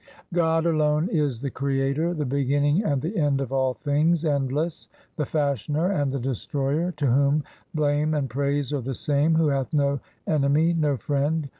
God alone is the Creator, The beginning and the end of all things, endless, the Fashioner, and the Destroyer, To whom blame and praise are the same, who hath no enemy, no friend.